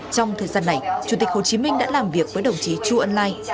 trong thời gian này chủ tịch hồ chí minh đã làm việc với đồng chí chu ân lai